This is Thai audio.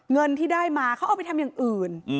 เงินที่ได้มาเขาเอาไปทำอย่างอื่น